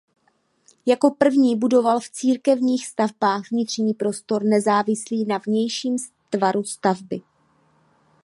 Jako první budoval v církevních stavbách vnitřní prostor nezávislý na vnějším tvaru stavby.